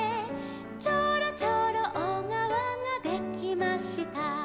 「ちょろちょろおがわができました」